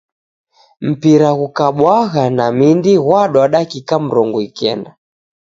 Mpira ghukabwagha na mindi ghwadwa dakika mrongo ikenda.